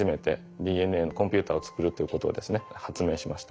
ＤＮＡのコンピューターを作るということを発明しました。